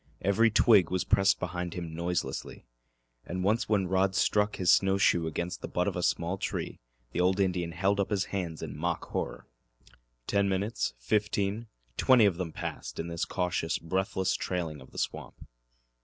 Every twig was pressed behind him noiselessly, and once when Rod struck his snow shoe against the butt of a small tree the old Indian held up his hands in mock horror. Ten minutes, fifteen twenty of them passed in this cautious, breathless trailing of the swamp.